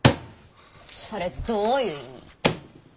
それどういう意味？